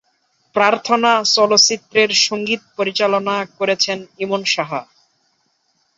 প্রার্থনা চলচ্চিত্রের সঙ্গীত পরিচালনা করেছেন ইমন সাহা।